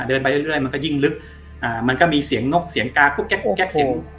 ไปเรื่อยมันก็ยิ่งลึกมันก็มีเสียงนกเสียงกากุ๊กแก๊กแก๊กอยู่